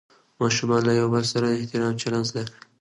ماشومان له یو بل سره د احترام چلند زده کوي